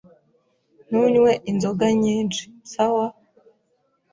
Ntunywe inzoga nyinshi, sawa?